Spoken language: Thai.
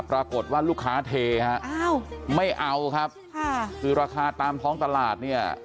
ปรากฏว่าลูกค้าเทฮะอ้าวไม่เอาครับค่ะคือราคาตามท้องตลาดเนี่ย